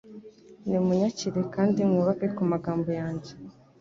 Nimunyakire kandi mwubake ku magambo yanjye.